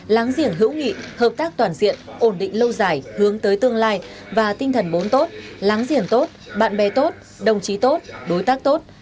láng giềng hữu nghị hợp tác toàn diện ổn định lâu dài hướng tới tương lai và tinh thần bốn tốt láng giềng tốt bạn bè tốt đồng chí tốt đối tác tốt